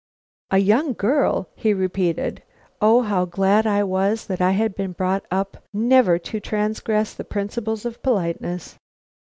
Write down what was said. "A young girl!" he repeated. (Oh, how glad I was that I had been brought up never to transgress the principles of politeness.)